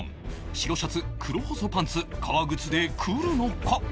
白シャツ黒細パンツ革靴で来るのか？